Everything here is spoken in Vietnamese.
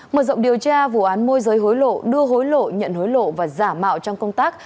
mở rộng điều tra vụ án môi giới hối lộ đưa hối lộ nhận hối lộ và giả mạo trong công tác